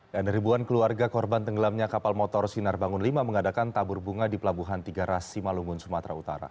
dan ribuan keluarga korban tenggelamnya kapal motor sinar bangun v mengadakan tabur bunga di pelabuhan tiga rasi malungun sumatera utara